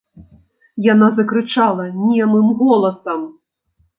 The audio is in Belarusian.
Яна закрычала немым голасам.